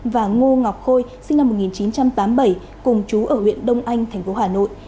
tám mươi bốn và ngô ngọc khôi sinh năm một nghìn chín trăm tám mươi bảy cùng chú ở huyện đông anh thành phố hà nội